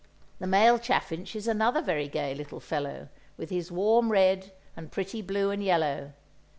The male chaffinch is another very gay little fellow, with his warm red and pretty blue and yellow.